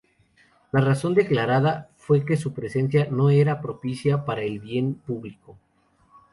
La razón declarada fue que su presencia "no era propicia para el bien público".